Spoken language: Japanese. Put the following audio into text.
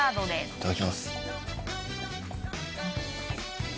いただきます。